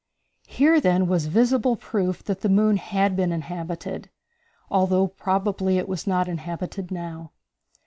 Here, then, was visible proof that the moon had been inhabited, although probably it was not inhabited now.